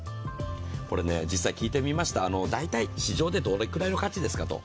これね実際聞いてみました、大体市場でどれくらいの価値ですかと。